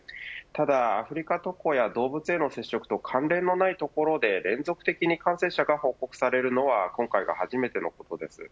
ただ、アフリカ渡航や動物の接触と関連のないところで連続的に感染者が報告されるのは今回が初めてのことです。